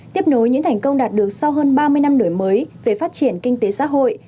tiếp nối những thành công đạt được sau hơn ba mươi năm nổi mới về phát triển kinh tế xã hội